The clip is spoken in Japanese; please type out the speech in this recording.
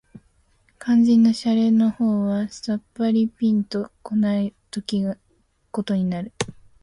肝腎の洒落の方はさっぱりぴんと来ないことになる